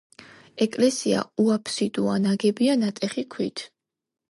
ეკლესია უაფსიდოა, ნაგებია ნატეხი ქვით.